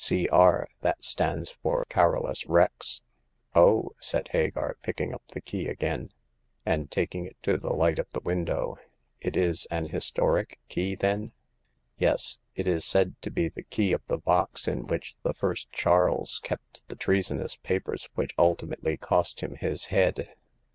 C. R.'— that stands for Carolus Rex." " Oh," said Hagar, picking up the key again, and taking it to the light of the window ;" it is an historic key, then ?"Yes. It is said to be the key of the box in which the First Charles kept the treasonous papers which ultimately cost him his head.